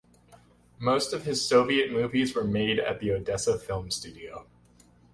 Most of his Soviet movies were made at the Odessa Film Studio.